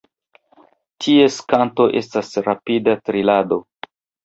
Ties kanto estas rapida trilado.